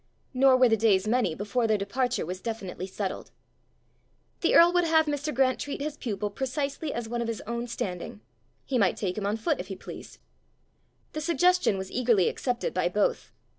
Nor were the days many before their departure was definitely settled. The earl would have Mr. Grant treat his pupil precisely as one of his own standing: he might take him on foot if he pleased! The suggestion was eagerly accepted by both.